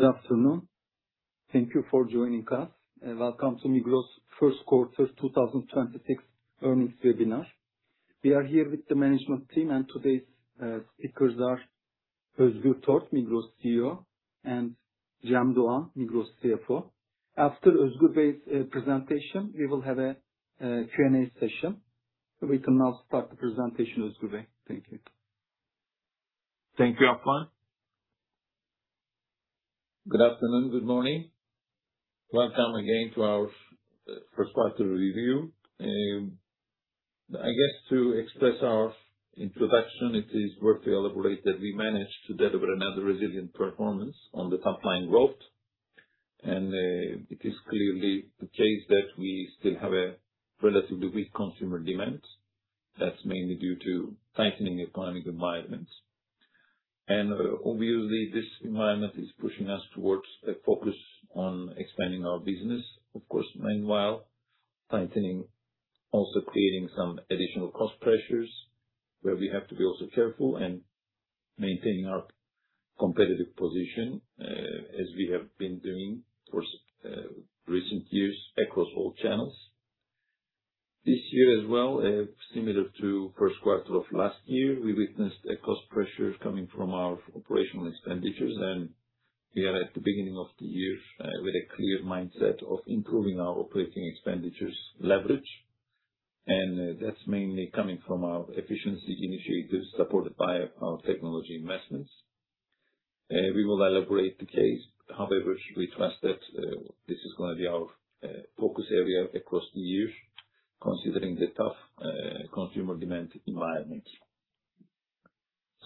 Good afternoon. Thank you for joining us, and welcome to Migros first quarter 2026 earnings webinar. We are here with the management team, and today's speakers are Özgür Tort, Migros CEO, and Cem Doğan, Migros CFO. After Özgür Bey's presentation, we will have a Q&A session. We can now start the presentation, Özgür Bey. Thank you. Thank you, Affan. Good afternoon, good morning. Welcome again to our first quarter review. I guess to express our introduction, it is worth to elaborate that we managed to deliver another resilient performance on the top line growth. It is clearly the case that we still have a relatively weak consumer demand. That's mainly due to tightening economic environments. Obviously, this environment is pushing us towards a focus on expanding our business. Of course, meanwhile, strengthening, also creating some additional cost pressures where we have to be also careful in maintaining our competitive position, as we have been doing for recent years across all channels. This year as well, similar to first quarter of last year, we witnessed a cost pressure coming from our operational expenditures. We are at the beginning of the year with a clear mindset of improving our operating expenditures leverage. That's mainly coming from our efficiency initiatives supported by our technology investments. We will elaborate the case. However, we trust that this is gonna be our focus area across the years, considering the tough consumer demand environment.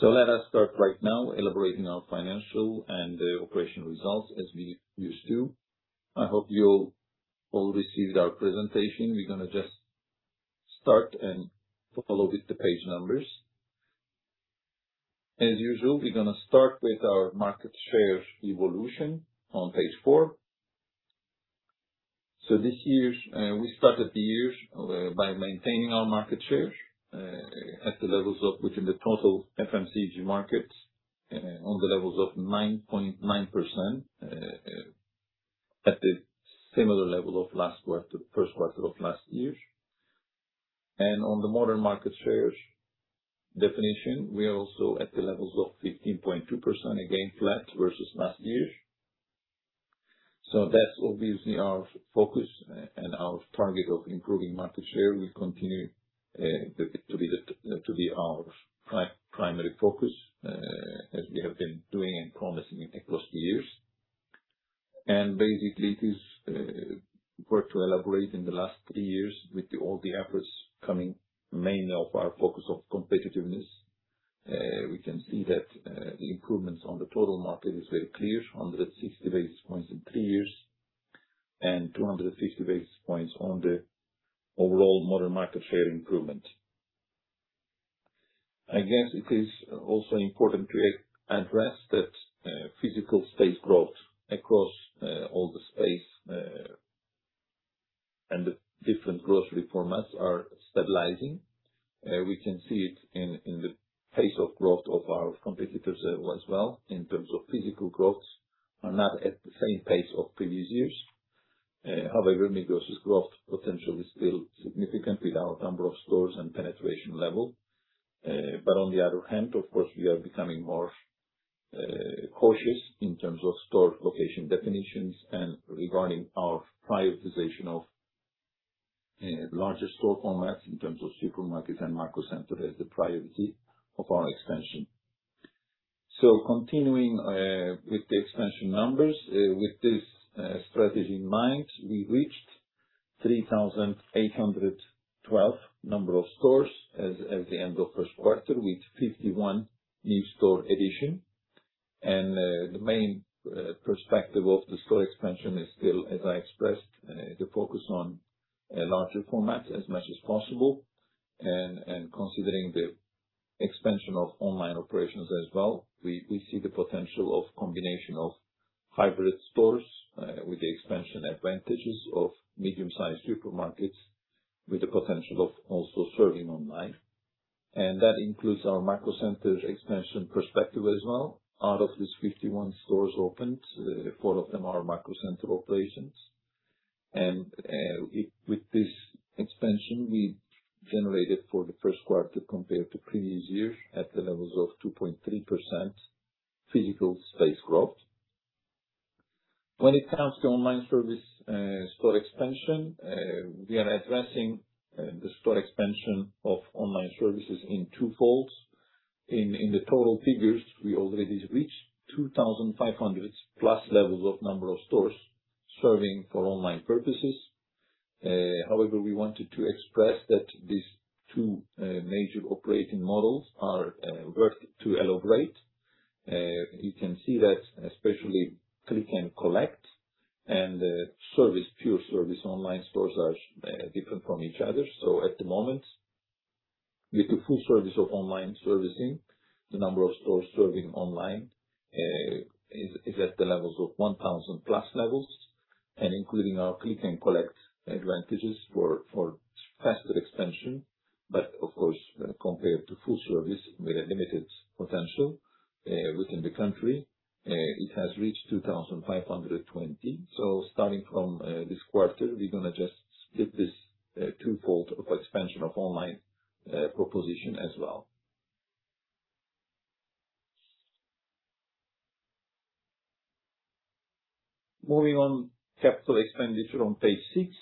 Let us start right now elaborating our financial and operational results as we used to. I hope you all received our presentation. We're gonna just start and follow with the page numbers. As usual, we're gonna start with our market share evolution on page four. This year's, we started the year by maintaining our market share at the levels of within the total FMCG market on the levels of 9.9% at the similar level of last quarter, first quarter of last year. On the modern market shares definition, we are also at the levels of 15.2%, again flat versus last year. That's obviously our focus and our target of improving market share will continue to be our primary focus as we have been doing and promising across the years. Basically, it is worth to elaborate in the last three years with all the efforts coming mainly of our focus of competitiveness. We can see that improvements on the total market is very clear, 160 basis points in three years and 250 basis points on the overall modern market share improvement. I guess it is also important to address that physical space growth across all the space and the different grocery formats are stabilizing. We can see it in the pace of growth of our competitors as well, in terms of physical growth are not at the same pace of previous years. However, Migros's growth potential is still significant with our number of stores and penetration level. On the other hand, of course, we are becoming more cautious in terms of store location definitions and regarding our prioritization of larger store formats in terms of supermarkets and Macrocenter as the priority of our expansion. Continuing with the expansion numbers, with this strategy in mind, we reached 3,812 number of stores as at the end of first quarter, with 51 new store addition. The main perspective of the store expansion is still, as I expressed, the focus on a larger format as much as possible. Considering the expansion of online operations as well, we see the potential of combination of hybrid stores with the expansion advantages of medium-sized supermarkets with the potential of also serving online. That includes our Macrocenter expansion perspective as well. Out of these 51 stores opened, four of them are Macrocenter operations. With this expansion, we generated for the first quarter compared to previous year at the levels of 2.3% physical space growth. When it comes to online service, store expansion, we are addressing the store expansion of online services in two folds. In the total figures, we already reached 2,500+ levels of number of stores serving for online purposes. However, we wanted to express that these two major operating models are worth to elaborate. You can see that especially click and collect and service, pure service online stores are different from each other. At the moment, with the full service of online servicing, the number of stores serving online is at the levels of 1,000+ levels. Including our click and collect advantages for faster expansion. Of course, compared to full service with a limited potential within the country, it has reached 2,520. Starting from this quarter, we're gonna just skip this two fold of expansion of online proposition as well. Moving on, capital expenditure on page six.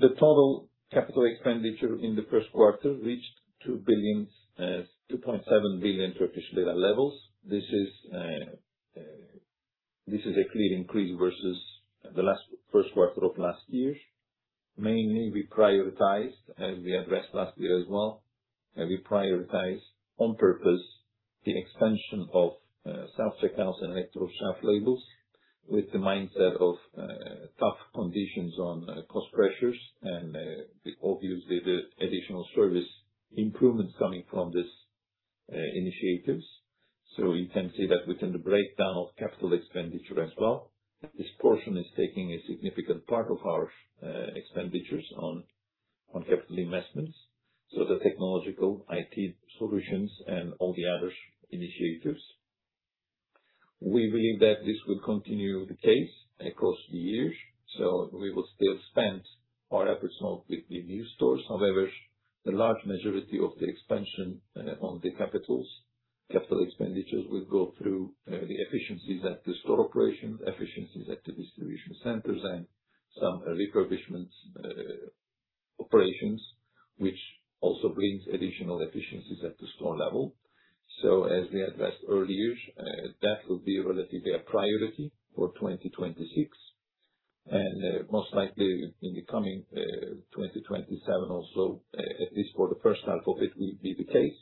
The total capital expenditure in the first quarter reached 2 billion, 2.7 billion Turkish lira levels. This is a clear increase versus the first quarter of last year. Mainly, we prioritized, as we addressed last year as well. We prioritize on purpose the expansion of self-checkouts and electro shelf labels with the mindset of tough conditions on cost pressures, and obviously the additional service improvements coming from this initiatives. You can see that within the breakdown of capital expenditure as well, this portion is taking a significant part of our expenditures on capital investments. The technological IT solutions and all the other initiatives. We believe that this will continue the case across the years, so we will still spend our efforts on the new stores. However, the large majority of the expansion on capital expenditures will go through the efficiencies at the store operations, efficiencies at the distribution centers, and some refurbishment operations, which also brings additional efficiencies at the store level. As we addressed earlier, that will be relatively a priority for 2026. Most likely in the coming 2027 also, at least for the first half of it, will be the case.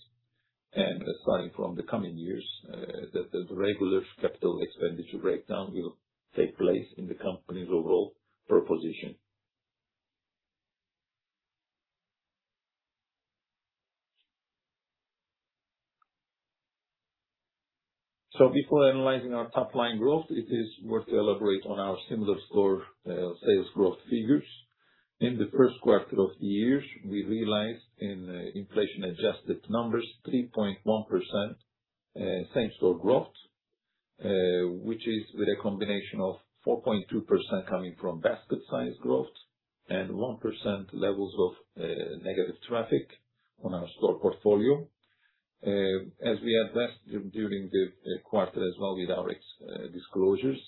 Starting from the coming years, the regular capital expenditure breakdown will take place in the company's overall proposition. Before analyzing our top line growth, it is worth to elaborate on our similar store sales growth figures. In the first quarter of the year, we realized in inflation-adjusted numbers 3.1% same store growth, which is with a combination of 4.2% coming from basket size growth and 1% levels of negative traffic on our store portfolio. As we addressed during the quarter as well with our disclosures,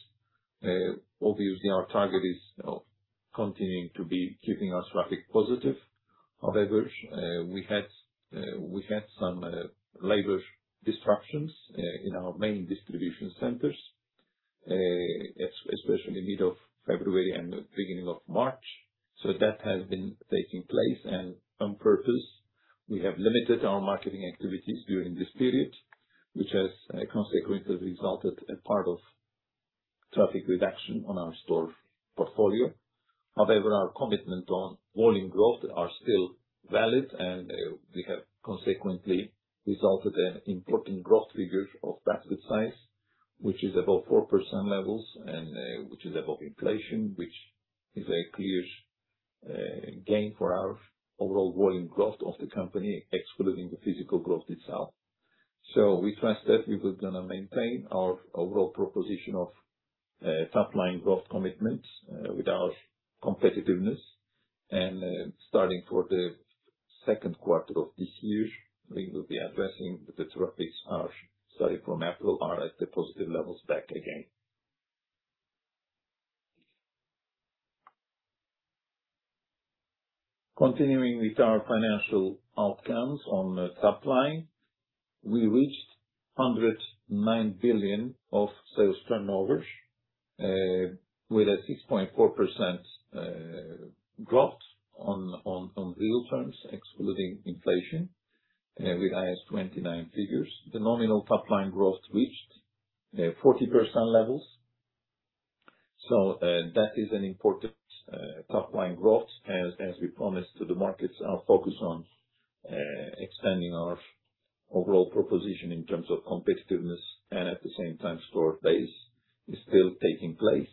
obviously our target is of continuing to be keeping our traffic positive. We had some labor disruptions in our main distribution centers, especially mid of February and the beginning of March. That has been taking place. On purpose, we have limited our marketing activities during this period, which has consequently resulted a part of traffic reduction on our store portfolio. Our commitment on volume growth are still valid, and we have consequently resulted an important growth figures of basket size, which is above 4% levels and which is above inflation, which is a clear gain for our overall volume growth of the company, excluding the physical growth itself. We trust that we will gonna maintain our overall proposition of top line growth commitments with our competitiveness. Starting for the second quarter of this year, we will be addressing the traffics starting from April are at the positive levels back again. Continuing with our financial outcomes on the top line. We reached 109 billion of sales turnovers with a 6.4% growth on real terms, excluding inflation, with IAS 29 figures. The nominal top line growth reached 40% levels. That is an important top line growth. As we promised to the markets, our focus on expanding our overall proposition in terms of competitiveness and at the same time store base is still taking place.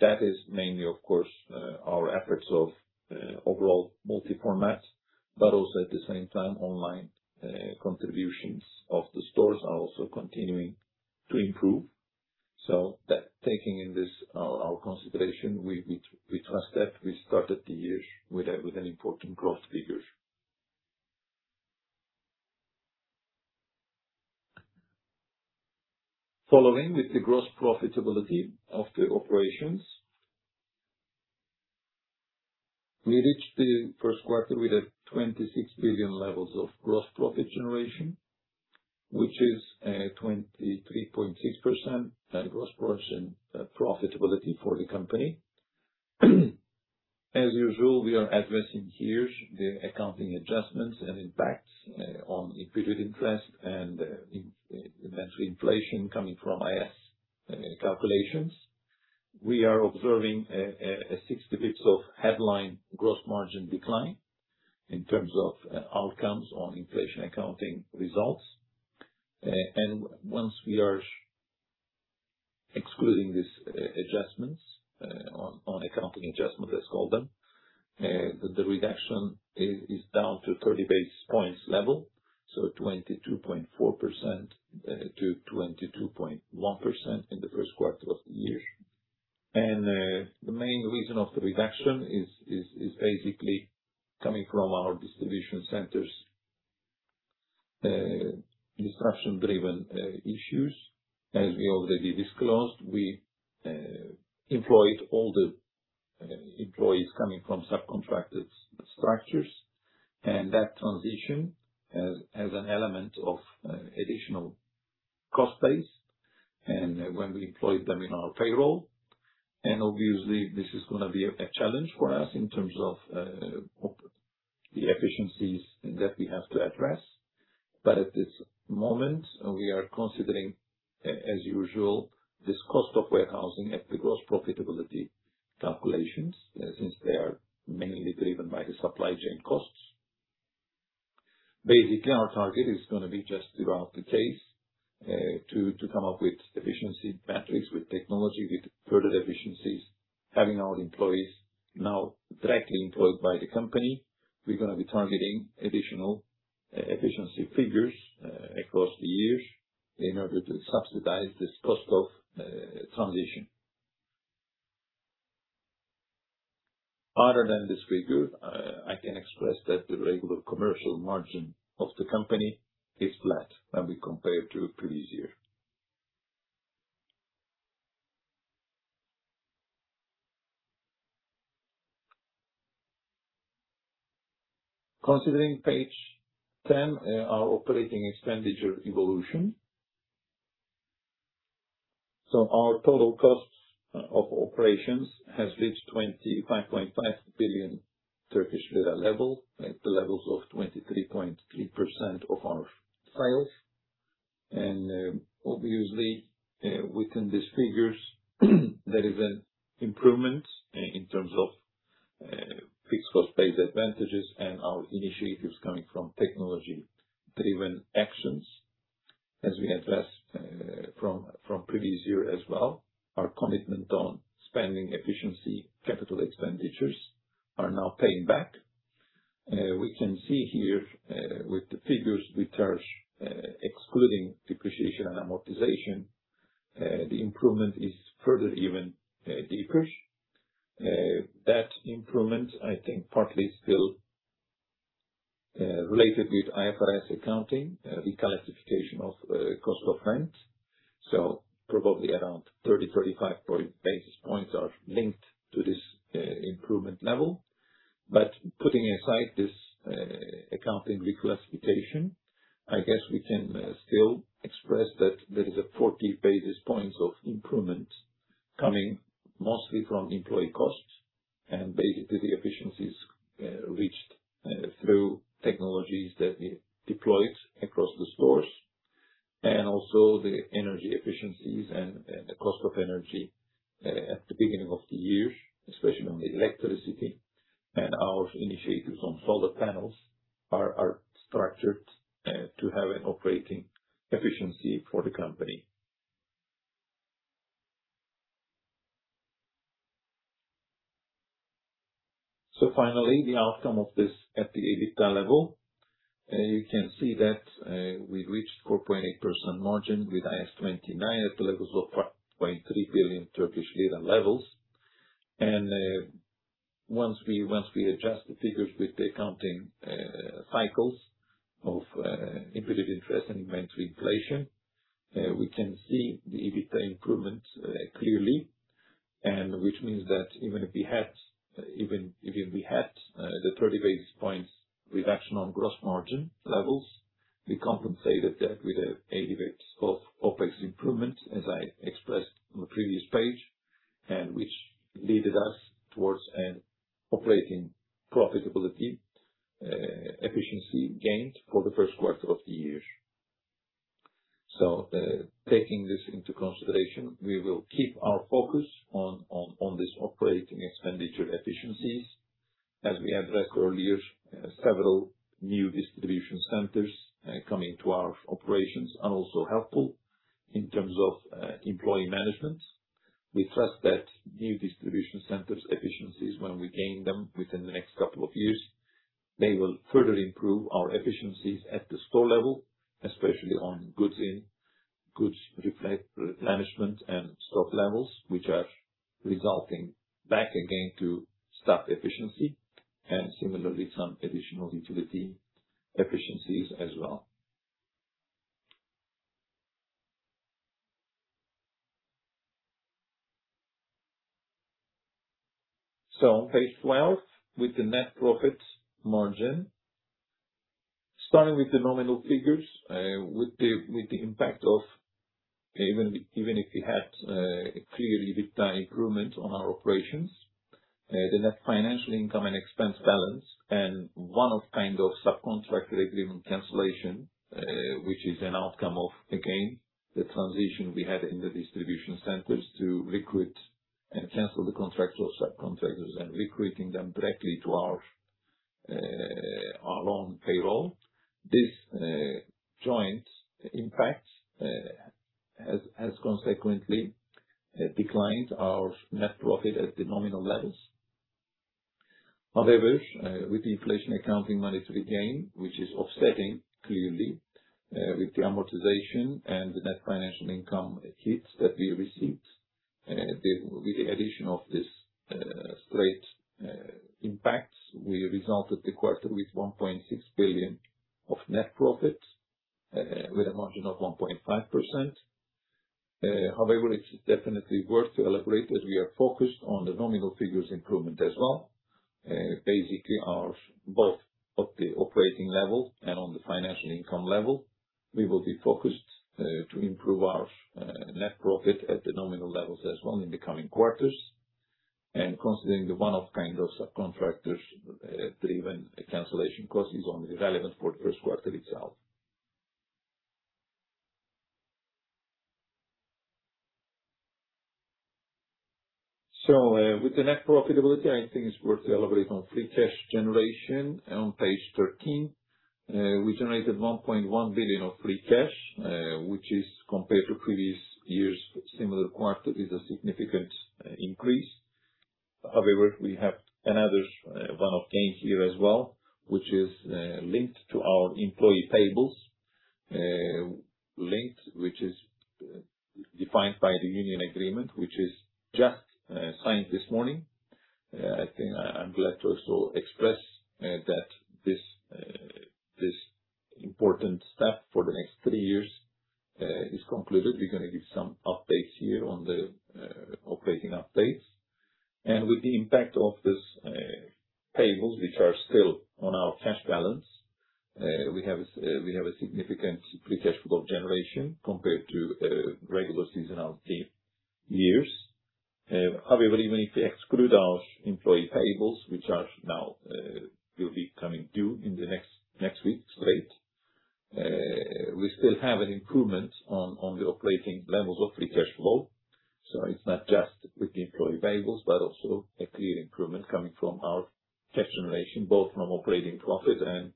That is mainly, of course, our efforts of overall multi-format, but also at the same time, online contributions of the stores are also continuing to improve. Taking in this our consideration, we trust that we started the year with an important growth figures. Following with the gross profitability of the operations. We reached the first quarter with 26 billion of gross profit generation, which is a 23.6% gross margin profitability for the company. As usual, we are addressing here the accounting adjustments and impact on equity interest and inventory inflation coming from IAS calculations. We are observing a 60 basis points of headline gross margin decline in terms of outcomes on inflation accounting results. Once we are excluding these adjustments on accounting adjustment, let's call them, the reduction is down to 30 basis points level, so 22.4% to 22.1% in the first quarter of the year. The main reason of the reduction is basically coming from our distribution centers, disruption-driven issues. As we already disclosed, we employed all the employees coming from subcontracted structures, and that transition has an element of additional cost base. When we employed them in our payroll, and obviously this is gonna be a challenge for us in terms of the efficiencies that we have to address. At this moment, we are considering as usual, this cost of warehousing at the gross profitability calculations, since they are mainly driven by the supply chain costs. Basically, our target is gonna be just throughout the case, to come up with efficiency metrics, with technology, with further efficiencies. Having our employees now directly employed by the company, we're gonna be targeting additional efficiency figures across the years in order to subsidize this cost of transition. Other than this figure, I can express that the regular commercial margin of the company is flat when we compare to previous year. Considering page 10, our operating expenditure evolution. Our total costs of operations has reached 25.5 billion Turkish lira level, at the levels of 23.3% of our sales. Obviously, within these figures, there is an improvement in terms of fixed cost base advantages and our initiatives coming from technology-driven actions. As we addressed from previous year as well, our commitment on spending efficiency, capital expenditures are now paying back. We can see here, with the figures we charge, excluding depreciation and amortization, the improvement is further even deeper. That improvement, I think partly still, related with IFRS accounting, reclassification of cost of rent. Probably around 30-35 basis points are linked to this improvement level. Putting aside this accounting reclassification, I guess we can still express that there is a 40 basis points of improvement coming mostly from employee costs and the efficiencies reached through technologies that we deployed across the stores. The energy efficiencies and the cost of energy at the beginning of the year, especially on the electricity, and our initiatives on solar panels are structured to have an operating efficiency for the company. Finally, the outcome of this at the EBITDA level. You can see that we reached 4.8% margin with IAS 29 at the levels of 5.3 billion Turkish lira levels. Once we adjust the figures with the accounting cycles of imputed interest and inventory inflation, we can see the EBITDA improvement clearly. Which means that even if we had the 30 basis points reduction on gross margin levels, we compensated that with a bit of OpEx improvement, as I expressed on the previous page, and which leaded us towards an operating profitability efficiency gains for the first quarter of the year. Taking this into consideration, we will keep our focus on this operating expenditure efficiencies. As we addressed earlier, several new distribution centers coming to our operations are also helpful in terms of employee management. We trust that new distribution centers efficiencies, when we gain them within the next couple of years, they will further improve our efficiencies at the store level, especially on goods in, goods replenishment and stock levels, which are resulting back again to staff efficiency and similarly some additional utility efficiencies as well. On page 12, with the net profit margin. Starting with the nominal figures, with the impact of even if we had a clear EBITDA improvement on our operations. The net financial income and expense balance and one-off kind of subcontract agreement cancellation, which is an outcome of, again, the transition we had in the distribution centers to recruit and cancel the contracts of subcontractors and recruiting them directly to our own payroll. This joint impact has consequently declined our net profit at the nominal levels. However, with the inflation accounting monetary gain, which is offsetting clearly with the amortization and the net financial income hits that we received. With the addition of this straight impact, we resulted the quarter with 1.6 billion of net profit, with a margin of 1.5%. However, it's definitely worth to elaborate that we are focused on the nominal figures improvement as well. Basically our both at the operating level and on the financial income level, we will be focused to improve our net profit at the nominal levels as well in the coming quarters. Considering the one-off kind of subcontractors driven cancellation cost is only relevant for the first quarter itself. With the net profitability, I think it's worth to elaborate on free cash generation on page 13. We generated 1.1 billion of free cash, which is compared to previous year's similar quarter, is a significant increase. However, we have another one obtained here as well, which is linked to our employee payables, linked, which is defined by the union agreement, which is just signed this morning. I think I'm glad to also express that this important step for the next three years, is concluded. We're gonna give some updates here on the operating updates. With the impact of this payables, which are still on our cash balance, we have a significant free cash flow generation compared to regular seasonality years. However, even if we exclude our employee payables, which are now will be coming due in the next week straight, we still have an improvement on the operating levels of free cash flow. It's not just with the employee payables, but also a clear improvement coming from our cash generation, both from operating profit and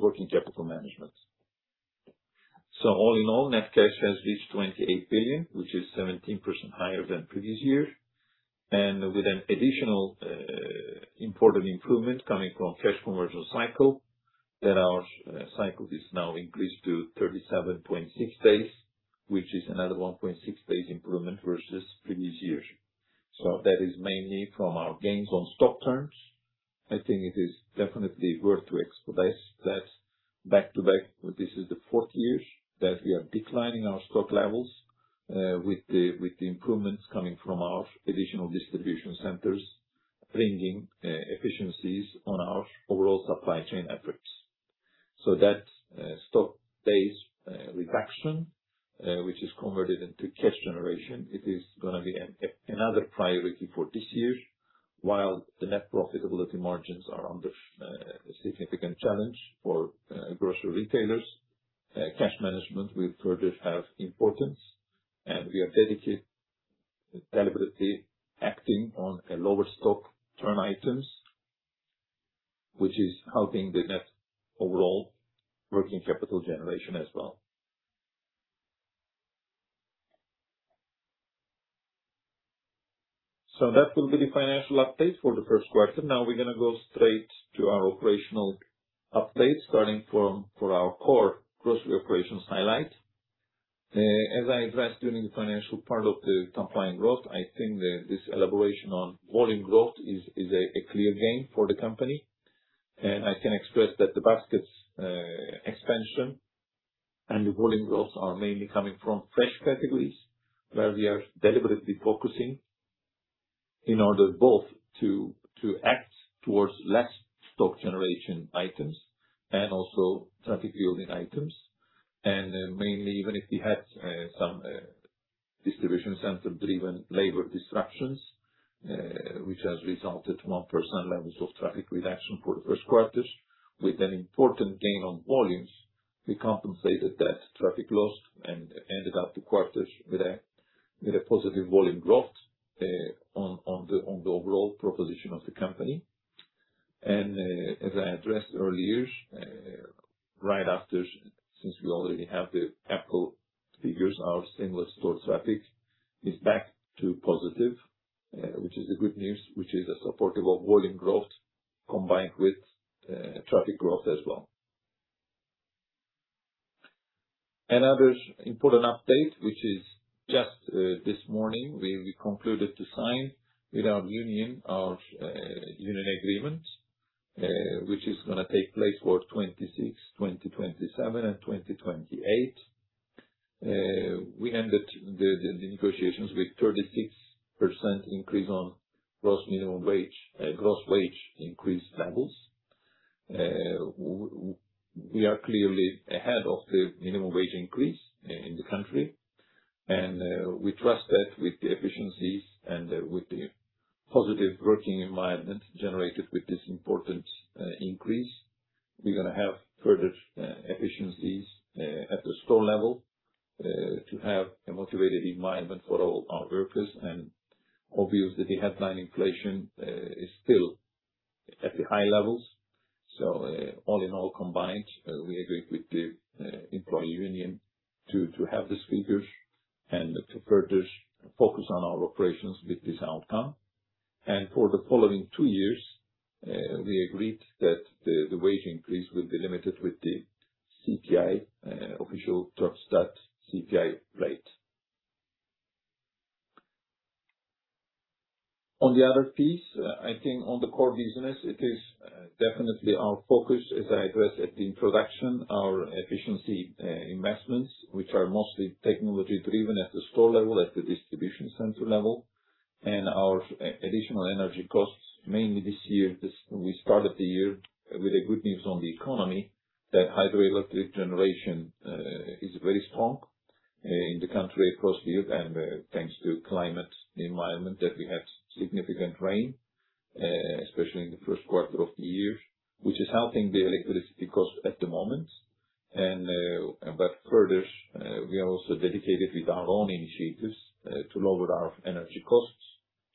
working capital management. All in all, net cash has reached 28 billion, which is 17% higher than previous year. With an additional important improvement coming from cash conversion cycle, that our cycle is now increased to 37.6 days, which is another 1.6 days improvement versus previous years. That is mainly from our gains on stock turns. I think it is definitely worth to expose that back to back, this is the fourth year that we are declining our stock levels, with the improvements coming from our additional distribution centers, bringing efficiencies on our overall supply chain efforts. That stock days reduction, which is converted into cash generation, it is gonna be another priority for this year. While the net profitability margins are under significant challenge for grocery retailers, cash management will further have importance, and we are dedicated, deliberately acting on a lower stock turn items, which is helping the net overall working capital generation as well. That will be the financial update for the first quarter. Now we're gonna go straight to our operational update, starting for our core grocery operations highlight. As I addressed during the financial part of the compliant growth, I think this elaboration on volume growth is a clear gain for the company. I can express that the baskets expansion and the volume growth are mainly coming from fresh categories, where we are deliberately focusing in order both to act towards less stock generation items and also traffic-building items. Mainly even if we had some distribution center-driven labor disruptions, which has resulted 1% levels of traffic reduction for the first quarters. With an important gain on volumes, we compensated that traffic loss and ended up the quarters with a positive volume growth on the overall proposition of the company. As I addressed earlier, right after, since we already have the April figures, our same-store traffic is back to positive, which is a good news, which is a supportable volume growth combined with traffic growth as well. Important update, which is just this morning, we concluded to sign with our union, our union agreement, which is going to take place for 2026, 2027 and 2028. We ended the negotiations with 36% increase on gross minimum wage, gross wage increase levels. We are clearly ahead of the minimum wage increase in the country, and we trust that with the efficiencies and with the positive working environment generated with this important increase, we are going to have further efficiencies at the store level to have a motivated environment for all our workers. Obviously, the headline inflation is still at the high levels. All in all combined, we agree with the employee union to have these figures and to further focus on our operations with this outcome. For the following two years, we agreed that the wage increase will be limited with the CPI official TurkStat CPI rate. I think on the core business, it is definitely our focus, as I addressed at the introduction, our efficiency investments, which are mostly technology driven at the store level, at the distribution center level, and our additional energy costs, mainly this year. We started the year with good news on the economy, that hydroelectric generation is very strong in the country across the year. Thanks to climate environment that we had significant rain, especially in the first quarter of the year, which is helping the electricity cost at the moment. Furthest, we are also dedicated with our own initiatives to lower our energy costs,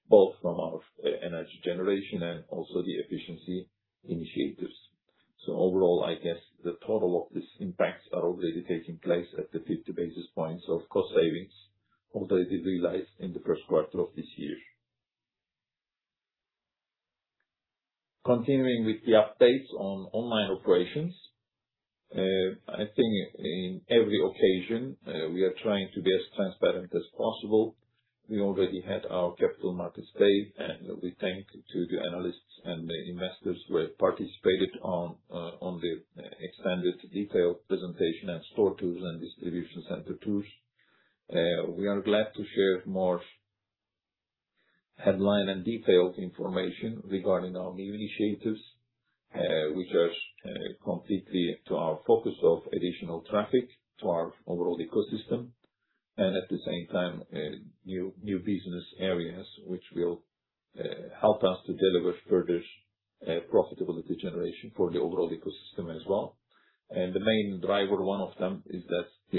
both from our energy generation and also the efficiency initiatives. Overall, I guess the total of these impacts are already taking place at the 50 basis points of cost savings already realized in the first quarter of this year. Continuing with the updates on online operations. I think in every occasion, we are trying to be as transparent as possible. We already had our Capital Markets Day, and we thank to the analysts and the investors who have participated on the extended detailed presentation and store tours and distribution center tours. We are glad to share more headline and detailed information regarding our new initiatives, which are completely to our focus of additional traffic to our overall ecosystem. At the same time, new business areas which will help us to deliver further profitability generation for the overall ecosystem as well. The main driver, one of them, is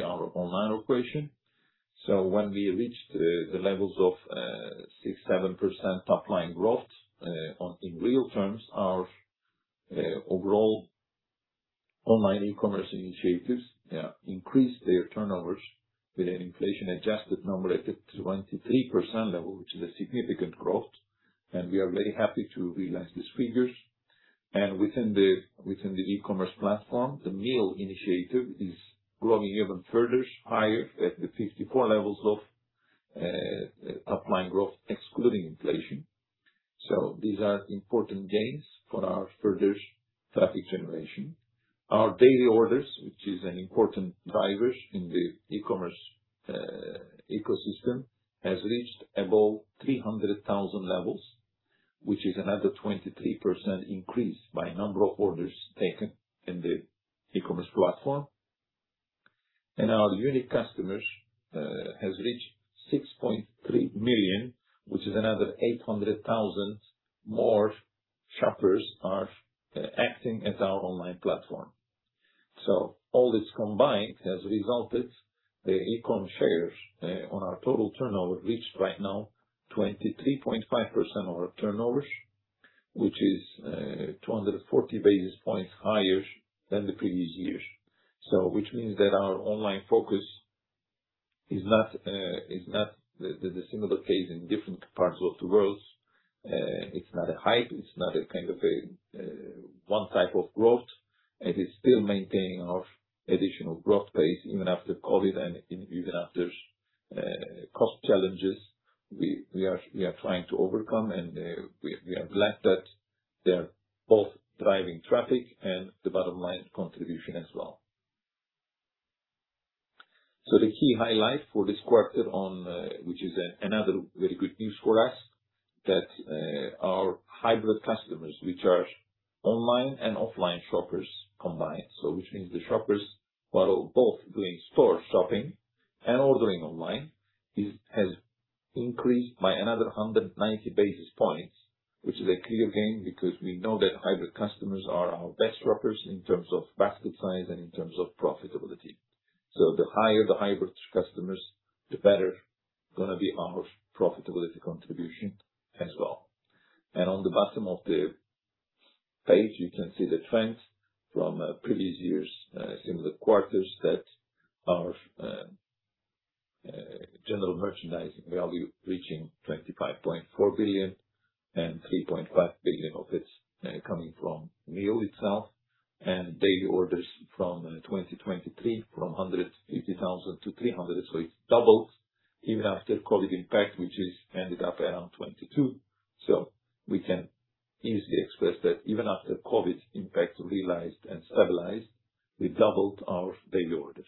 our online operation. When we reached the levels of 6%, 7% top line growth in real terms, our overall online e-commerce initiatives increased their turnovers with an inflation-adjusted number at the 23% level, which is a significant growth. We are very happy to realize these figures. Within the e-commerce platform, the meal initiative is growing even further higher at the 54 levels of top line growth excluding inflation. These are important gains for our further traffic generation. Our daily orders, which is an important driver in the e-commerce ecosystem, have reached above 300,000 levels, which is another 23% increase by number of orders taken in the e-commerce platform. Our unique customers have reached 6.3 million, which is another 800,000 more shoppers are acting at our online platform. All this combined has resulted the e-com shares on our total turnover reached right now 23.5% of our turnover, which is 240 basis points higher than the previous year. Which means that our online focus is not the similar case in different parts of the world. It's not a hype, it's not a kind of one type of growth. It is still maintaining our additional growth pace even after COVID and even after cost challenges we are trying to overcome. We are glad that they're both driving traffic and the bottom line contribution as well. The key highlight for this quarter on, which is another very good news for us, that our hybrid customers, which are online and offline shoppers combined. Which means the shoppers who are both doing store shopping and ordering online, has increased by another 190 basis points, which is a clear gain because we know that hybrid customers are our best shoppers in terms of basket size and in terms of profitability. The higher the hybrid customers, the better gonna be our profitability contribution as well. On the bottom of the page, you can see the trends from previous years', similar quarters that our, general merchandising value reaching 25.4 billion and 3.5 billion of it, coming from meal itself. Daily orders from 2023 from 150,000 to 300,000 so it's doubled even after COVID impact, which is ended up around 2022. We can easily express that even after COVID impact realized and stabilized, we doubled our daily orders.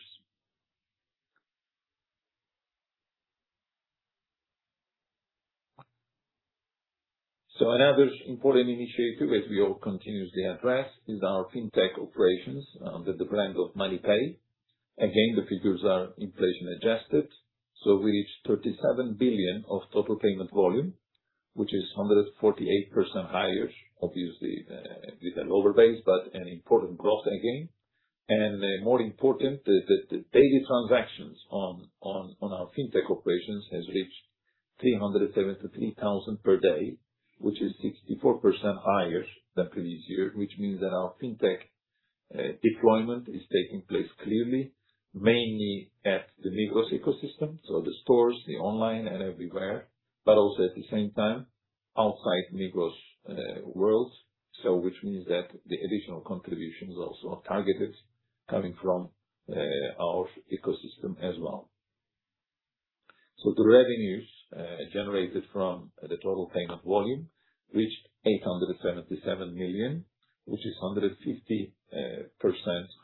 Another important initiative as we all continuously address is our Fintech operations under the brand of MoneyPay. Again, the figures are inflation adjusted. We reached 37 billion of total payment volume, which is 148% higher. Obviously, with a lower base, but an important growth again. More important is that the daily transactions on our Fintech operations has reached 373,000 per day, which is 64% higher than previous year. Which means that our Fintech deployment is taking place clearly, mainly at the Migros ecosystem, so the stores, the online and everywhere, but also at the same time outside Migros world. Which means that the additional contribution is also targeted coming from our ecosystem as well. The revenues generated from the total payment volume reached 877 million, which is 150%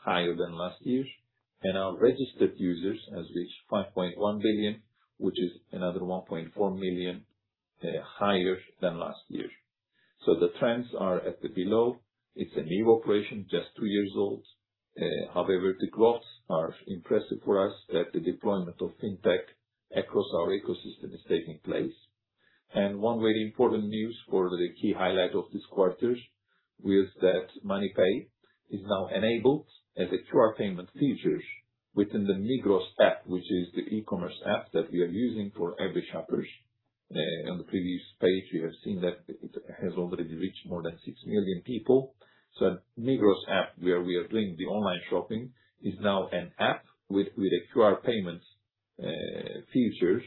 higher than last year. Our registered users has reached 5.1 billion, which is another 1.4 million higher than last year. The trends are at the below. It's a new operation, just two years old. However, the growth are impressive for us that the deployment of Fintech across our ecosystem is taking place. One very important news for the key highlight of this quarters is that MoneyPay is now enabled as a QR payment feature within the Migros app, which is the e-commerce app that we are using for every shoppers. On the previous page, you have seen that it has already reached more than 6 million people. Migros app, where we are doing the online shopping, is now an app with a QR payments features,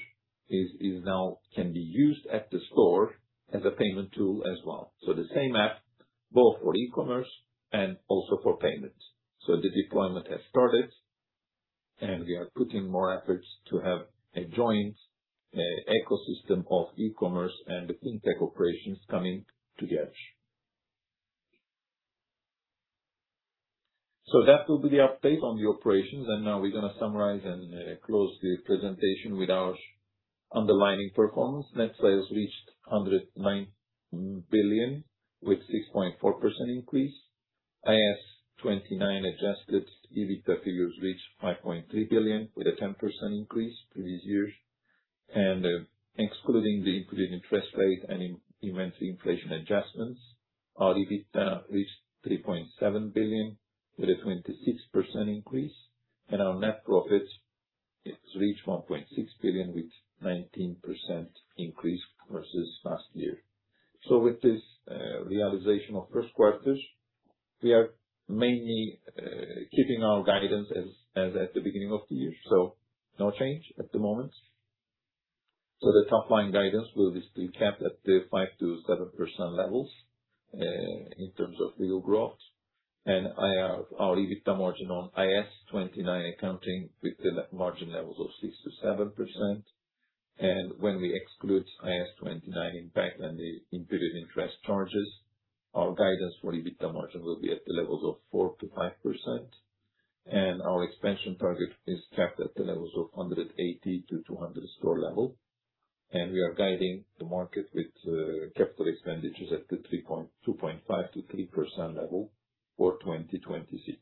is now can be used at the store as a payment tool as well. The same app both for e-commerce and also for payments. The deployment has started, and we are putting more efforts to have a joint ecosystem of e-commerce and the Fintech operations coming together. That will be the update on the operations. Now we're going to summarize and close the presentation with our underlying performance. Net sales reached 109 billion with 6.4% increase. IAS 29 adjusted EBITDA figures reached 5.3 billion with a 10% increase previous year. Excluding the imputed interest rate and inventory inflation adjustments, our EBITDA reached 3.7 billion with a 26% increase. Our net profits has reached 1.6 billion with 19% increase versus last year. With this realization of first quarters, we are mainly keeping our guidance as at the beginning of the year, no change at the moment. The top line guidance will be still kept at the 5%-7% levels in terms of real growth. Our EBITDA margin on IAS 29 accounting with the margin levels of 6%-7%. When we exclude IAS 29 impact and the imputed interest charges, our guidance for EBITDA margin will be at the levels of 4%-5%. Our expansion target is kept at the levels of 180-200 store level. We are guiding the market with capital expenditures at the 2.5%-3% level for 2026.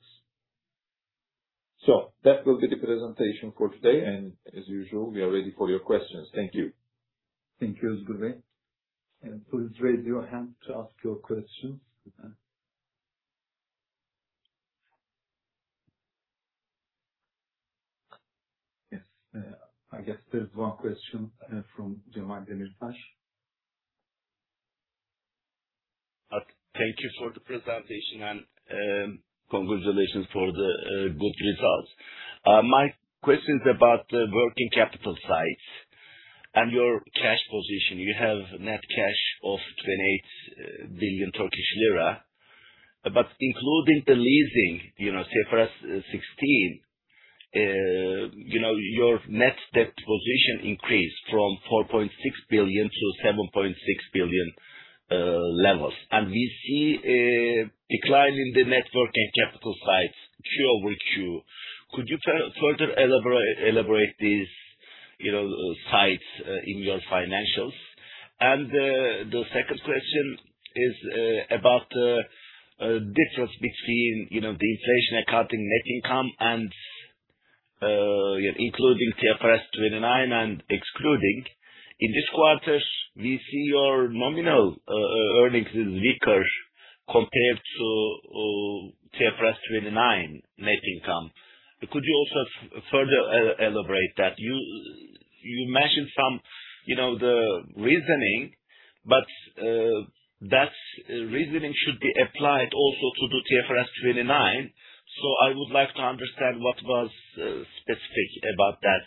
That will be the presentation for today. As usual, we are ready for your questions. Thank you. Thank you, Özgür. Please raise your hand to ask your questions. Yes. I guess there's one question from Cemal Demirtas. Thank you for the presentation, congratulations for the good results. My question is about the working capital side and your cash position. You have net cash of 28 billion Turkish lira. Including the leasing, you know, IFRS 16, you know, your net debt position increased from 4.6 billion to 7.6 billion levels. We see a decline in the net working capital side Q over Q. Could you further elaborate these, you know, sides in your financials? The second question is about the difference between, you know, the inflation accounting net income and including TFRS 29 and excluding. In this quarter, we see your nominal earnings is weaker compared to TFRS 29 net income. Could you also further elaborate that? You mentioned some, you know, the reasoning, that reasoning should be applied also to the TFRS 29. I would like to understand what was specific about that.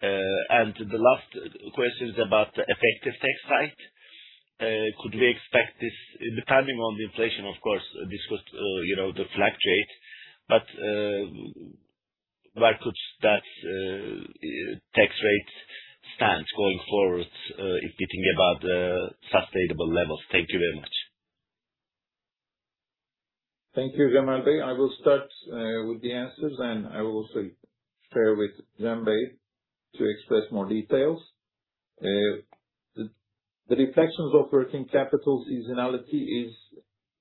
The last question is about the effective tax rate. Could we expect this depending on the inflation, of course, this could, you know, fluctuate, where could that tax rate stand going forward, if we think about sustainable levels? Thank you very much. Thank you, Cemal Bey. I will start with the answers, and I will also share with Cem Bey to express more details. The reflections of working capital seasonality is.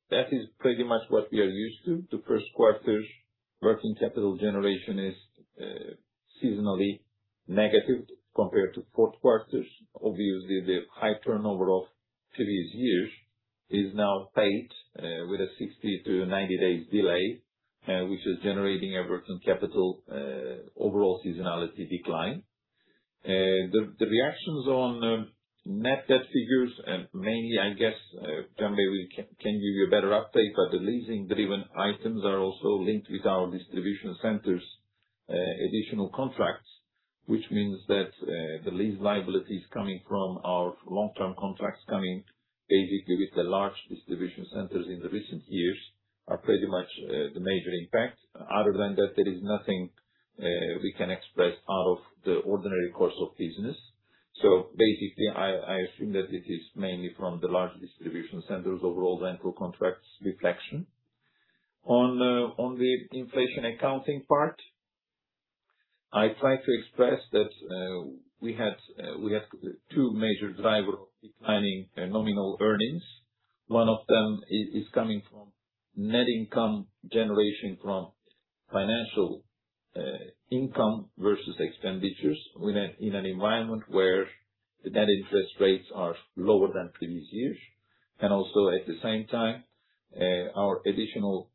That is pretty much what we are used to. The first quarter's working capital generation is seasonally negative compared to fourth quarters. Obviously, the high turnover of previous years is now paid with a 60-90 days delay, which is generating a working capital overall seasonality decline. The reactions on net debt figures, mainly, I guess, Cem Bey will can give you a better update, but the leasing-driven items are also linked with our distribution centers', additional contracts. Which means that the lease liabilities coming from our long-term contracts coming basically with the large distribution centers in the recent years are pretty much the major impact. Other than that, there is nothing we can express out of the ordinary course of business. Basically, I assume that it is mainly from the large distribution centers' overall rental contracts reflection. On, on the inflation accounting part, I try to express that we had, we have two major driver of declining nominal earnings. One of them is coming from net income generation from financial income versus expenditures in an environment where the net interest rates are lower than previous years. At the same time, our additional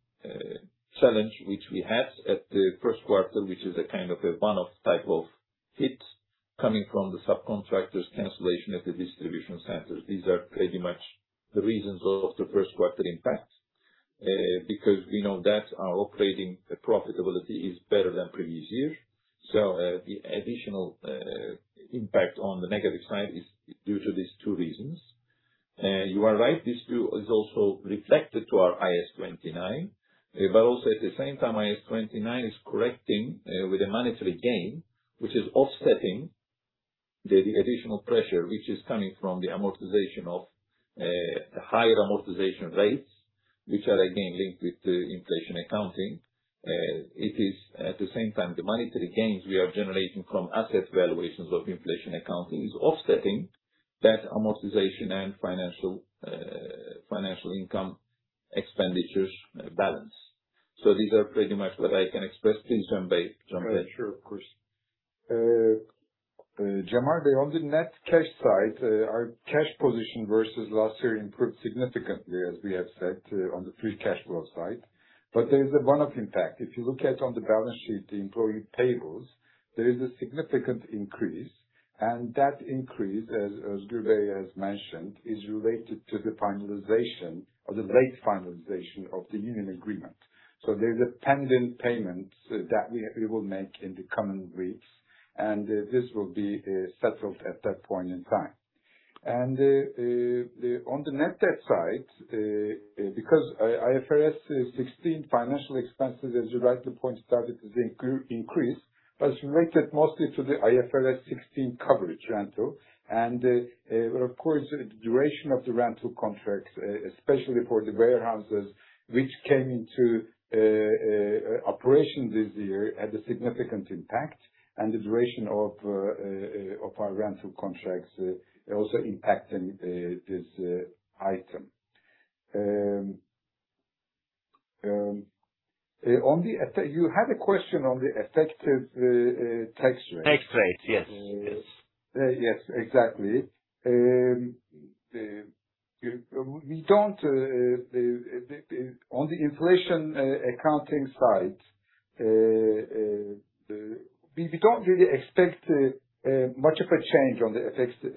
challenge which we had at the first quarter, which is a kind of a one-off type of hit coming from the subcontractors cancellation at the distribution centers. These are pretty much the reasons of the first quarter impact, because we know that our operating profitability is better than previous years. The additional impact on the negative side is due to these two reasons. You are right, this too is also reflected to our IAS 29. Also at the same time, IAS 29 is correcting with a monetary gain, which is offsetting the additional pressure which is coming from the amortization of higher amortization rates, which are again linked with the inflation accounting. It is at the same time the monetary gains we are generating from asset valuations of inflation accounting is offsetting that amortization and financial financial income expenditures balance. These are pretty much what I can express. Please, Cem Bey. Sure. Of course. Cemal Bey, on the net cash side, our cash position versus last year improved significantly, as we have said, on the free cash flow side. There is a one-off impact. If you look at on the balance sheet, the employee payables, there is a significant increase, and that increase, as Özgür Bey has mentioned, is related to the finalization or the late finalization of the union agreement. There is a pending payment that we will make in the coming weeks, and this will be settled at that point in time. On the net debt side, because IFRS 16 financial expenses as you rightly point started to increase, but it's related mostly to the IFRS 16 coverage rental. Of course, the duration of the rental contracts, especially for the warehouses which came into operation this year, had a significant impact, the duration of our rental contracts also impacting this item. You had a question on the effective tax rate. Tax rate. Yes. Yes. Yes, exactly. On the inflation accounting side, we don't really expect much of a change on the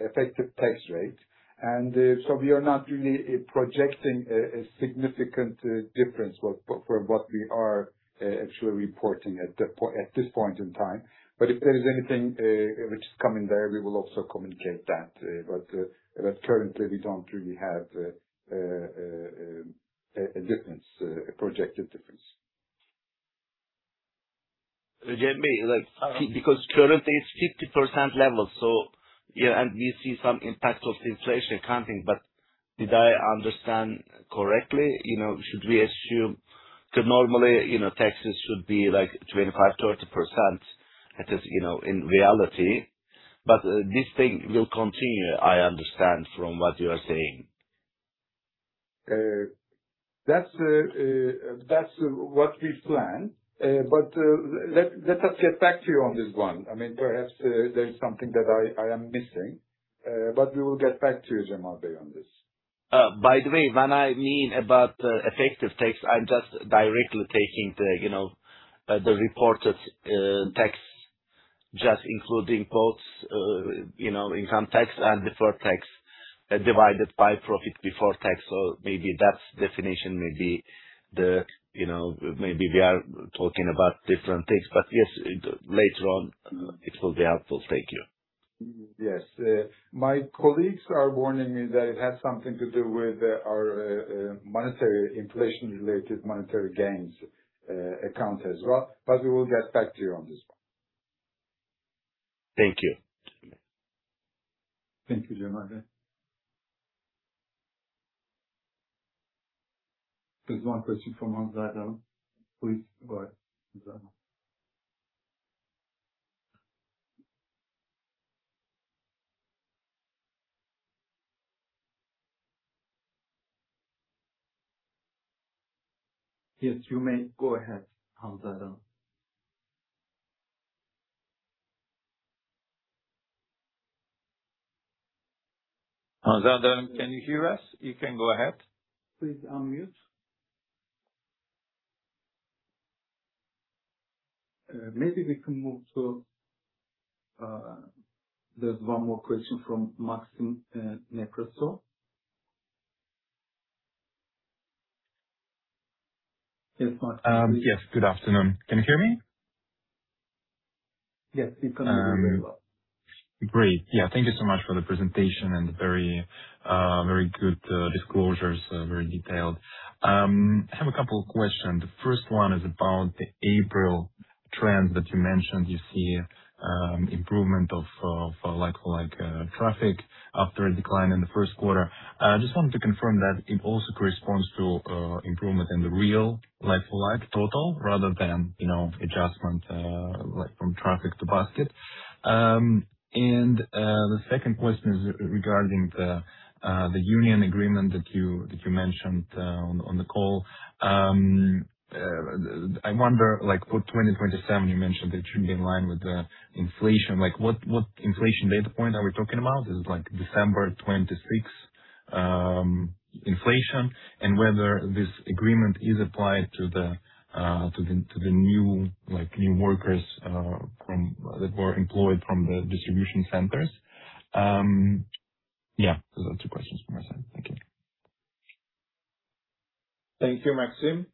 effective tax rate, and so we are not really projecting a significant difference for what we are actually reporting at this point in time. If there is anything which is coming there, we will also communicate that. Currently, we don't really have a projected difference. Cem Bey. Currently it's 50% level, yeah, we see some impact of the inflation accounting. Did I understand correctly? You know, should we assume 'Cause normally, you know, taxes should be like 25%, 30% at this, you know, in reality. This thing will continue, I understand from what you are saying. That's what we've planned. Let us get back to you on this one. I mean, perhaps, there's something that I am missing, but we will get back to you, Cemal Bey, on this. By the way, when I mean about effective tax, I'm just directly taking the, you know, the reported tax, just including both, you know, income tax and deferred tax divided by profit before tax. Maybe that definition may be, you know, maybe we are talking about different things. Yes, later on, it will be helpful. Thank you. Yes. My colleagues are warning me that it has something to do with our monetary inflation-related monetary gains account as well, but we will get back to you on this one. Thank you. Thank you, Cemal Bey. There's one question from [Hamza Hanım]. Please go ahead, [Hamza Hanım]. Yes, you may go ahead, [Hamza Hanım]. [Hamza Hanım], can you hear us? You can go ahead. Please unmute. Maybe we can move to. There's one more question from Maxim Nekrasov. Yes, Maxim. Yes. Good afternoon. Can you hear me? Yes, we can hear you very well. Great. Thank you so much for the presentation and the very good disclosures, very detailed. I have a couple of questions. The first one is about the April trend that you mentioned. You see improvement of like-for-like traffic after a decline in the first quarter. I just wanted to confirm that it also corresponds to improvement in the real like-for-like total rather than, you know, adjustment like from traffic to basket. The second question is regarding the union agreement that you mentioned on the call. I wonder, like for 2027 you mentioned that it should be in line with the inflation. What inflation data point are we talking about? Is it like December 2026 inflation? Whether this agreement is applied to the new workers from that were employed from the distribution centers. Those are two questions from my side. Thank you. Thank you, Maxim.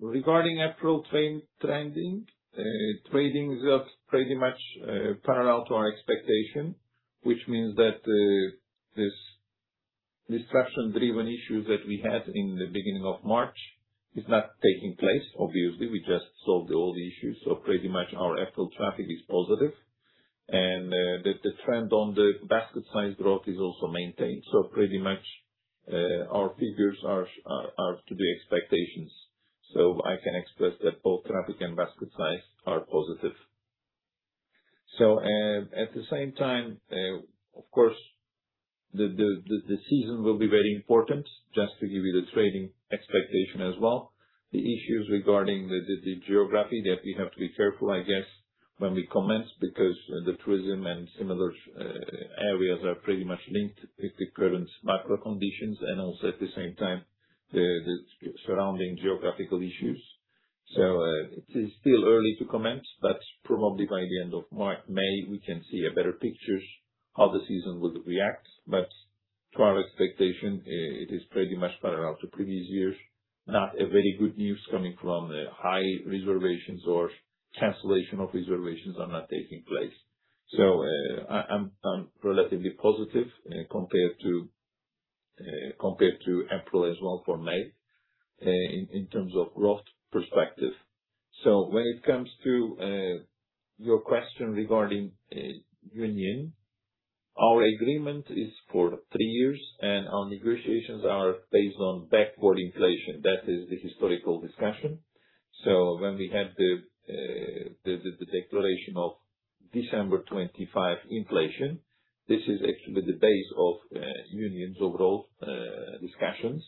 Regarding April trend, trading is pretty much parallel to our expectation, which means that this disruption-driven issue that we had in the beginning of March is not taking place. Obviously, we just solved all the issues, pretty much our April traffic is positive. The trend on the basket size growth is also maintained. Pretty much our figures are to the expectations. I can express that both traffic and basket size are positive. At the same time, of course, the season will be very important, just to give you the trading expectation as well. The issues regarding the geography that we have to be careful, I guess, when we commence, because the tourism and similar areas are pretty much linked with the current macro conditions and also at the same time the surrounding geographical issues. It is still early to commence, but probably by the end of May, we can see a better pictures how the season will react. To our expectation, it is pretty much parallel to previous years. Not a very good news coming from the high reservations or cancellation of reservations are not taking place. I'm relatively positive compared to April as well for May in terms of growth perspective. When it comes to your question regarding union, our agreement is for three years, and our negotiations are based on backward inflation. That is the historical discussion. When we have the declaration of December 25 inflation, this is actually the base of union's overall discussions.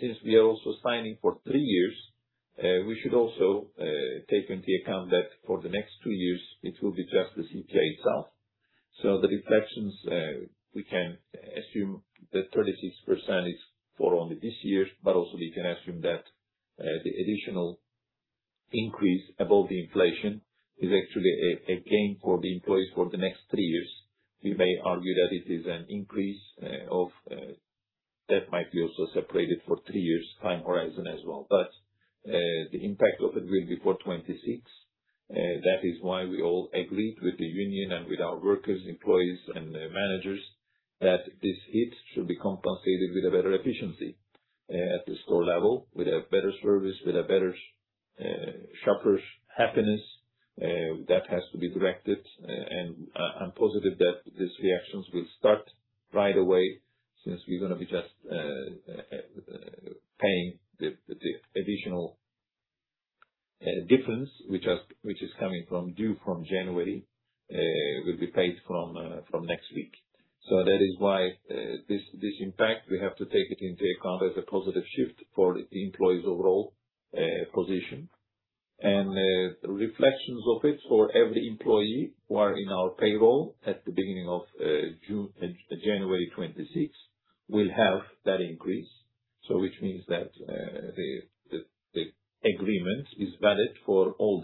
Since we are also signing for three years, we should also take into account that for the next two years it will be just the CPI itself. The reflections, we can assume that 36% is for only this year, but also we can assume that the additional increase above the inflation is actually a gain for the employees for the next three years. You may argue that it is an increase of that might be also separated for three years time horizon as well. The impact of it will be for 2026. That is why we all agreed with the union and with our workers, employees, and the managers that this hit should be compensated with a better efficiency at the store level, with a better service, with a better shoppers' happiness that has to be directed. I'm positive that these reactions will start right away since we're gonna be just paying the additional difference which is coming from due from January will be paid from next week. That is why this impact, we have to take it into account as a positive shift for the employees' overall position. Reflections of it for every employee who are in our payroll at the beginning of January 26 will have that increase. Which means that the agreement is valid for all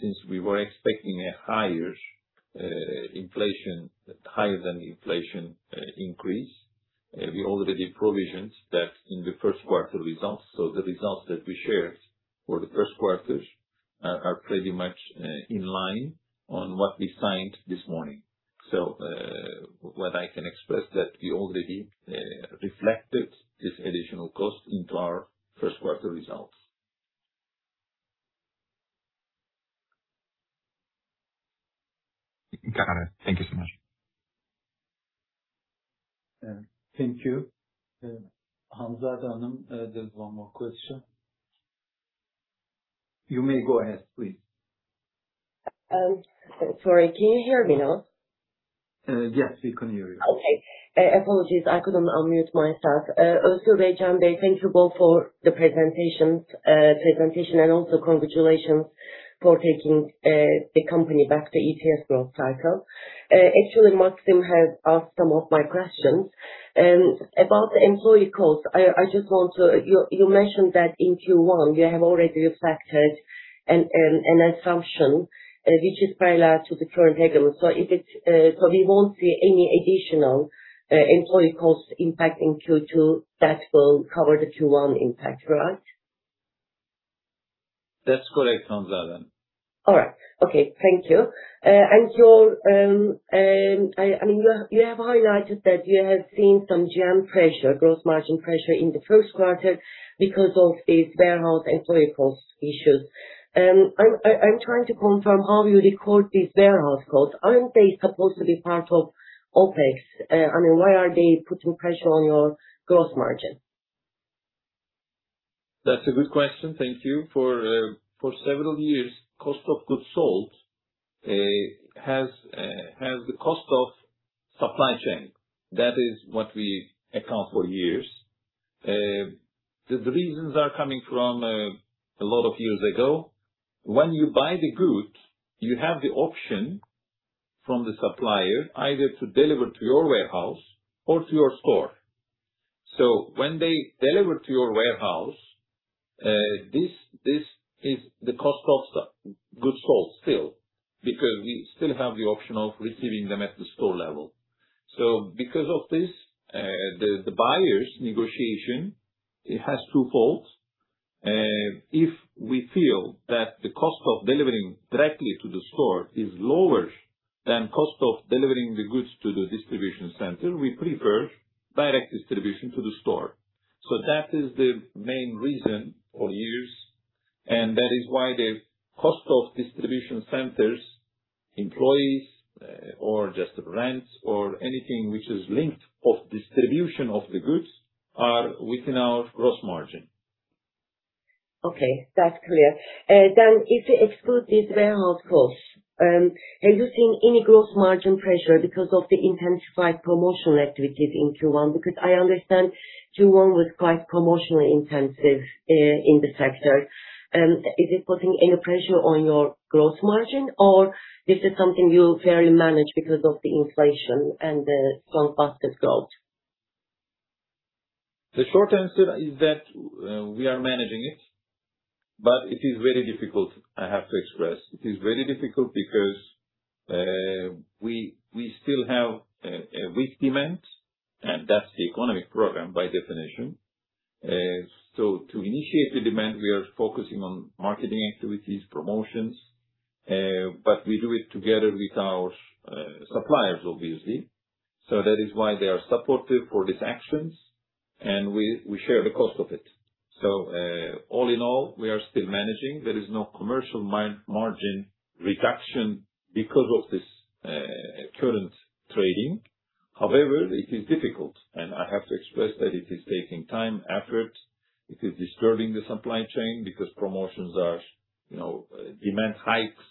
since we were expecting a higher, inflation, higher than inflation, increase, we already provisioned that in the first quarter results. The results that we shared for the first quarter are pretty much in line on what we signed this morning. What I can express that we already reflected this additional cost into our first quarter results. Got it. Thank you so much. Thank you. [Hamza Hanım], there's one more question. You may go ahead, please. Sorry, can you hear me now? Yes, we can hear you. Okay. Apologies, I couldn't unmute myself. Özgür Bey, Cem Bey, thank you both for the presentation, and also congratulations for taking the company back to ETS growth cycle. Actually, Maxim has asked some of my questions. About the employee cost, you mentioned that in Q1 you have already reflected an assumption which is parallel to the current agreement. If it's, we won't see any additional employee costs impact in Q2 that will cover the Q1 impact, right? That's correct, [Hamza Hanım]. All right. Okay. Thank you. Your, I mean, you have highlighted that you have seen some GM pressure, gross margin pressure in the first quarter because of these warehouse employee cost issues. I'm trying to confirm how you record these warehouse costs. Aren't they supposed to be part of OpEx? I mean, why are they putting pressure on your gross margin? That's a good question. Thank you. For several years, cost of goods sold has the cost of supply chain. That is what we account for years. The reasons are coming from a lot of years ago. When you buy the goods, you have the option from the supplier either to deliver to your warehouse or to your store. When they deliver to your warehouse, this is the cost of goods sold still because we still have the option of receiving them at the store level. Because of this, the buyer's negotiation, it has two folds. If we feel that the cost of delivering directly to the store is lower than cost of delivering the goods to the distribution center, we prefer direct distribution to the store. That is the main reason for years, and that is why the cost of distribution centers employees, or just rents or anything which is linked of distribution of the goods are within our gross margin. That's clear. If you exclude these warehouse costs, have you seen any gross margin pressure because of the intensified promotional activities in Q1? I understand Q1 was quite promotionally intensive in the sector. Is it putting any pressure on your gross margin, or this is something you'll fairly manage because of the inflation and the strong positive growth? The short answer is that we are managing it, but it is very difficult, I have to express. It is very difficult because we still have a weak demand, and that's the economic program by definition. To initiate the demand, we are focusing on marketing activities, promotions, but we do it together with our suppliers obviously. That is why they are supportive for these actions, and we share the cost of it. All in all, we are still managing. There is no commercial margin reduction because of this current trading. However, it is difficult, and I have to express that it is taking time, effort. It is disturbing the supply chain because promotions are, you know, demand hikes.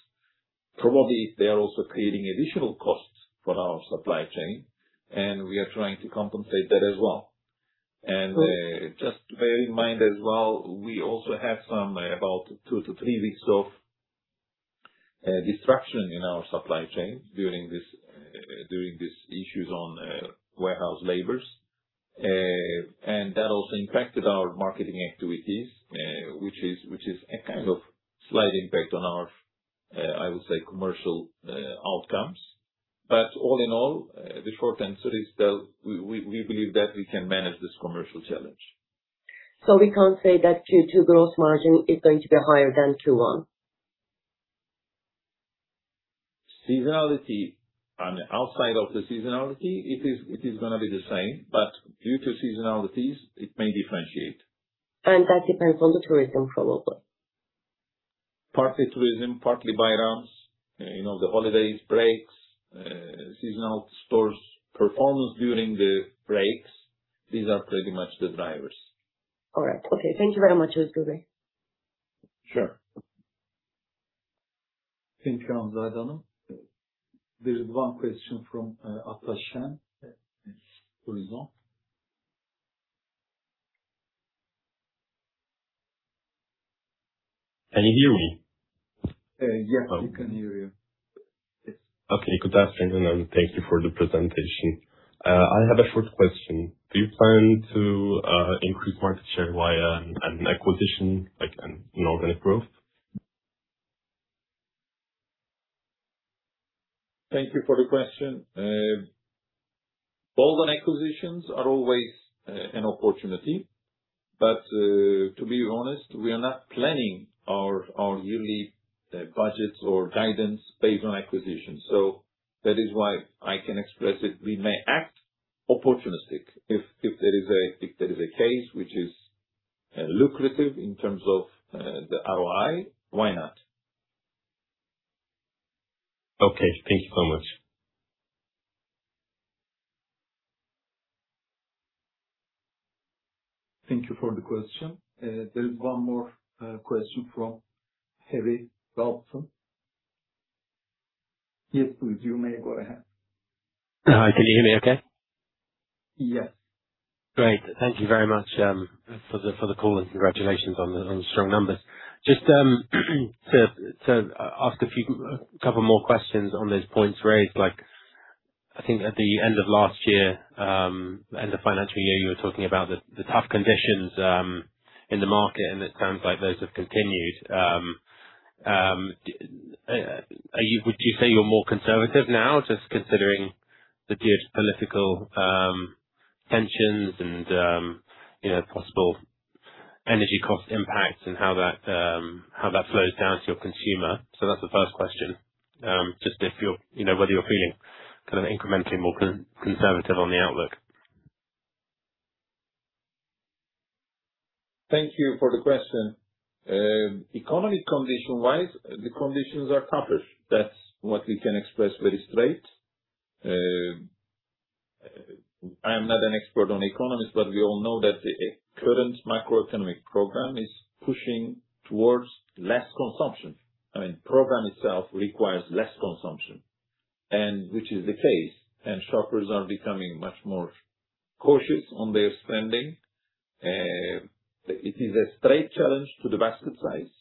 Probably, they are also creating additional costs for our supply chain, and we are trying to compensate that as well. Just bear in mind as well, we also have some about two to three weeks of disruption in our supply chain during this, during these issues on warehouse labors. That also impacted our marketing activities, which is a kind of slight impact on our I would say commercial outcomes. All in all, the short answer is that we believe that we can manage this commercial challenge. We can't say that Q2 gross margin is going to be higher than Q1? Seasonality. On the outside of the seasonality, it is gonna be the same, due to seasonalities, it may differentiate. That depends on the tourism, probably. Partly tourism, partly bayrams, you know, the holidays, breaks, seasonal stores performance during the breaks. These are pretty much the drivers. All right. Okay. Thank you very much, Özgür Bey. Sure. Thank you, [Hamza Hanım]. There is one question from [Ata Şen] from Izon. Can you hear me? Yeah, we can hear you. Yes. Okay. Good afternoon. Thank you for the presentation. I have a short question. Do you plan to increase market share via an acquisition, like an inorganic growth? Thank you for the question. All the acquisitions are always an opportunity, but to be honest, we are not planning our yearly budgets or guidance based on acquisitions. That is why I can express it. We may act opportunistic if there is a case which is lucrative in terms of the ROI, why not? Okay. Thank you so much. Thank you for the question. There is one more question from [Harry Lawson]. Yes, please. You may go ahead. Hi. Can you hear me okay? Yes. Great. Thank you very much for the call and congratulations on the strong numbers. Just to ask a few couple more questions on those points raised, like, I think at the end of last year, end of financial year, you were talking about the tough conditions in the market, and it sounds like those have continued. Would you say you're more conservative now just considering the geopolitical tensions and, you know, possible energy cost impacts and how that flows down to your consumer? So that's the first question. Just if you're, you know, whether you're feeling kind of incrementally more conservative on the outlook? Thank you for the question. Economy condition-wise, the conditions are tougher. That's what we can express very straight. I am not an expert on economics, but we all know that the current macroeconomic program is pushing towards less consumption. I mean, program itself requires less consumption, and which is the case, and shoppers are becoming much more cautious on their spending. It is a straight challenge to the basket size.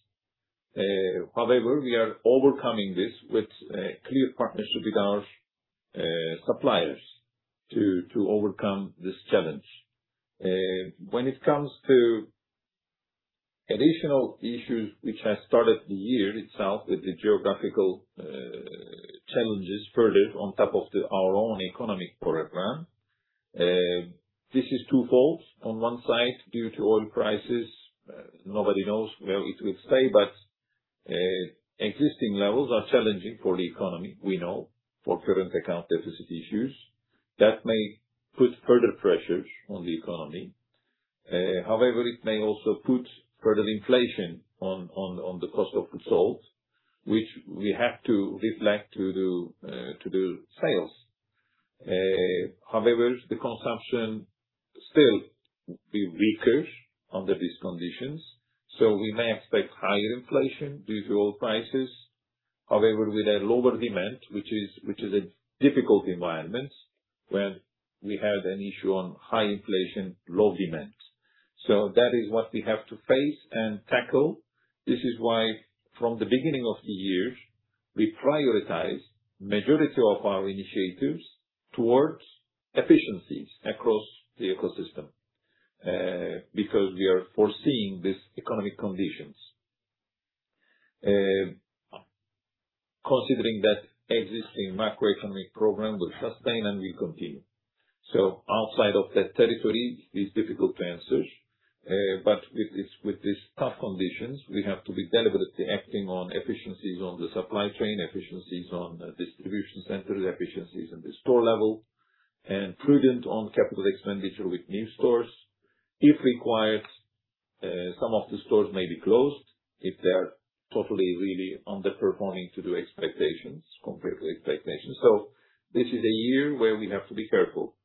However, we are overcoming this with a clear partnership with our suppliers to overcome this challenge. When it comes to additional issues which has started the year itself with the geographical challenges further on top of our own economic program, this is two folds. On one side, due to oil prices, nobody knows where it will stay, but existing levels are challenging for the economy, we know, for current account deficit issues. That may put further pressures on the economy. However, it may also put further inflation on the cost of goods sold, which we have to reflect to the sales. However, the consumption still will be weaker under these conditions. We may expect higher inflation due to oil prices. However, with a lower demand, which is a difficult environment when we have an issue on high inflation, low demand. That is what we have to face and tackle. This is why, from the beginning of the year, we prioritize majority of our initiatives towards efficiencies across the ecosystem because we are foreseeing these economic conditions. Considering that existing macroeconomic program will sustain and will continue. Outside of that territory, it's difficult to answer. With this, with this tough conditions, we have to be deliberately acting on efficiencies on the supply chain, efficiencies on the distribution center, efficiencies on the store level, and prudent on capital expenditure with new stores. If required, some of the stores may be closed if they are totally, really underperforming to the expectations, compared to expectation. This is a year where we have to be careful.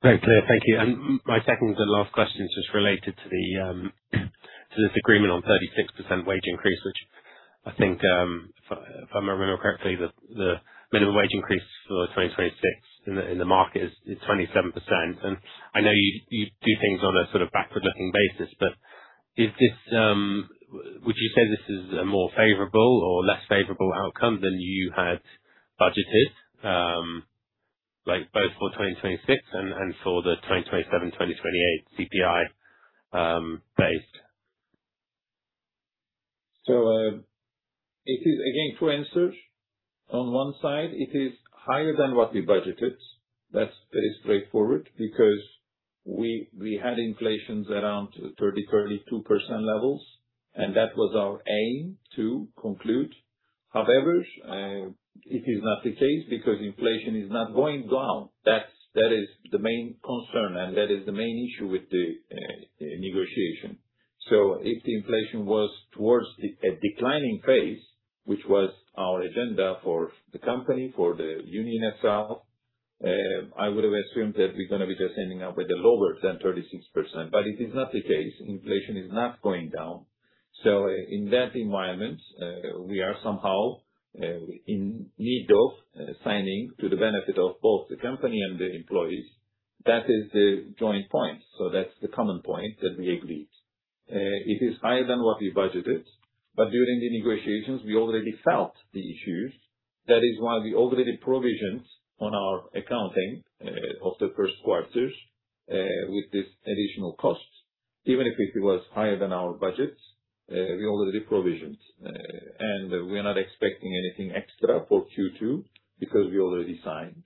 Great. Thank you. My second to last question is just related to the agreement on 36% wage increase, which I think, if I remember correctly, the minimum wage increase for 2026 in the market is 27%. I know you do things on a sort of backward-looking basis, but is this, would you say this is a more favorable or less favorable outcome than you had budgeted, like both for 2026 and for the 2027, 2028 CPI based? It is again, two answers. On one side, it is higher than what we budgeted. That's very straightforward because we had inflations around 30%, 32% levels, and that was our aim to conclude. It is not the case because inflation is not going down. That is the main concern, and that is the main issue with the negotiation. If the inflation was towards a declining phase, which was our agenda for the company, for the union itself, I would have assumed that we're gonna be just ending up with a lower than 36%, it is not the case. Inflation is not going down. In that environment, we are somehow in need of signing to the benefit of both the company and the employees. That is the joint point. That's the common point that we agreed. It is higher than what we budgeted, but during the negotiations, we already felt the issues. That is why we already provisioned on our accounting of the first quarters with this additional cost. Even if it was higher than our budget, we already provisioned. We're not expecting anything extra for Q2 because we already signed.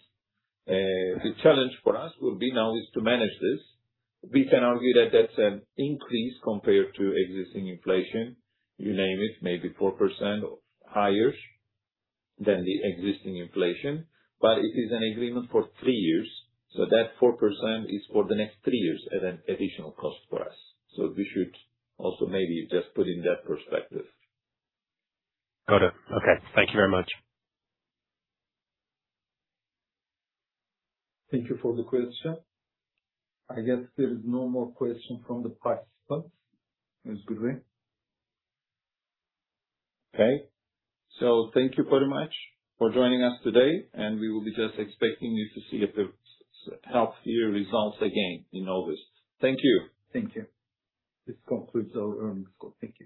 The challenge for us will be now is to manage this. We can argue that that's an increase compared to existing inflation. You name it, maybe 4% higher than the existing inflation, but it is an agreement for three years. That 4% is for the next three years at an additional cost for us. We should also maybe just put in that perspective. Got it. Okay. Thank you very much. Thank you for the question. I guess there is no more question from the participants. Özgür Bey. Okay. Thank you very much for joining us today, we will be just expecting you to see a healthier results again in August. Thank you. Thank you. This concludes our earnings call. Thank you.